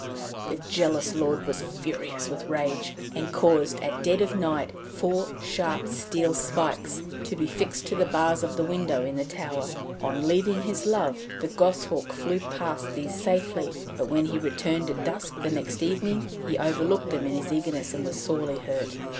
The jealous lord was furious with rage, and caused, at dead of night, four sharp steel spikes to be fixed to the bars of the window in the tower. On leaving his love, the goshawk flew past these safely, but when he returned at dusk the next evening, he overlooked them in his eagerness, and was sorely hurt.